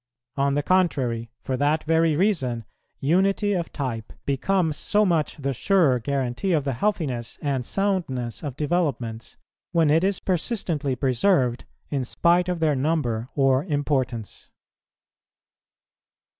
On the contrary, for that very reason, unity of type becomes so much the surer guarantee of the healthiness and soundness of developments, when it is persistently preserved in spite of their number or importance.